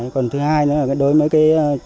còn thứ hai nữa là đối với mấy cái